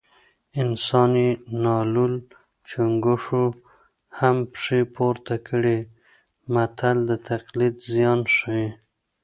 اسان یې نالول چونګښو هم پښې پورته کړې متل د تقلید زیان ښيي